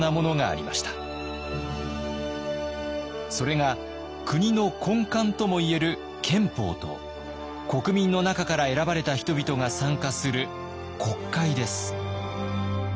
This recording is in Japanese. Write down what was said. それが国の根幹とも言える「憲法」と国民の中から選ばれた人々が参加する「国会」です。